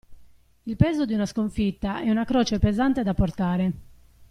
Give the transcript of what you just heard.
Il peso di una sconfitta è una croce pesante da portare.